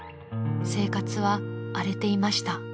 ［生活は荒れていました］